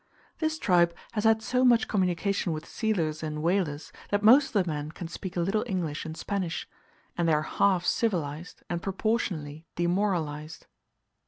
This tribe has had so much communication with sealers and whalers that most of the men can speak a little English and Spanish; and they are half civilized, and proportionally demoralized.